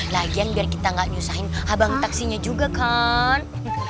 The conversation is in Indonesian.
lagi agar kita nggak nyusahin abang taksinya juga kan